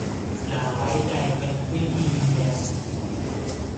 อย่าไว้ใจเพนกวินที่ยิ้มแย้ม